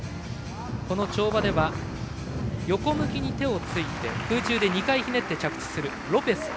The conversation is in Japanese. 跳馬では横向きに手をついて空中で２回ひねって着地するロペス。